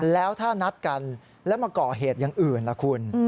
แล้วถ้านัดกันแล้วมาก่อเหตุอย่างอื่นล่ะคุณ